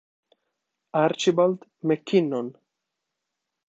Archibald MacKinnon